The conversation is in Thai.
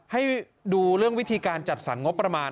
ให้ดูเรื่องวิธีการจัดสรรงบประมาณ